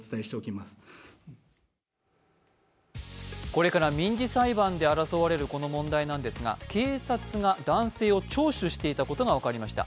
これから民事裁判で争われるこの問題なんですが、警察が男性を聴取していたことが分かりました。